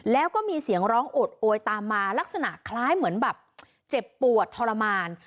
แล้วก็มีเสียงร้องโอดโอยตามมาลักษณะคล้ายเหมือนแบบเจ็บปวดทรมาน